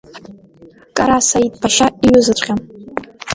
Кара Саит Ԥашьа иҩызаҵәҟьа!